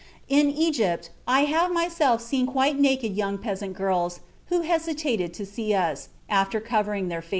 In Egypt, I have myself seen quite naked young peasant girls, who hastened to see us, after covering their faces."